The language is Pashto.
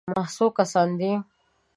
_څو کسان دي؟